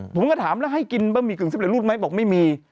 ผมก็ถามแล้วให้กินบะหมี่กึ่งสำเร็จรูดไหมบอกไม่มี